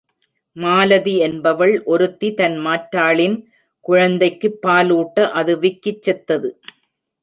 மாலதி என்பவள் ஒருத்தி தன் மாற்றாளின் குழந்தைக்குப் பால் ஊட்ட அது விக்கிச் செத்தது.